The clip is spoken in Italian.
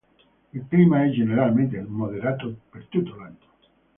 Il clima è generalmente moderato per tutto l'anno.